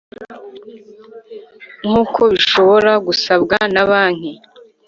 Nk uko bishobora gusabwa na banki